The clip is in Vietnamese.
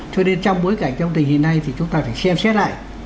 cho nên trong bối cảnh trong tình hình này thì chúng ta phải xem xét lại